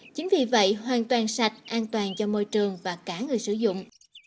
chính vì vậy hoàn toàn sạch an toàn cho môi trường và cả người sử dụng